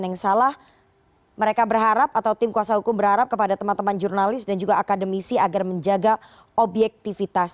dan mereka berharap atau tim kuasa hukum yang menyampaikan kepada tim rakyat teman teman dan akademisi agar menjaga objektifitas